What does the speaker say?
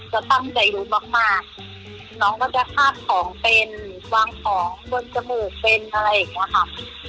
จะตั้งใจรู้มากน้องก็จะคาดของเป็นวางของบนจมูกเป็นอะไรอย่างนี้ค่ะ